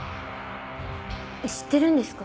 知ってるんですか？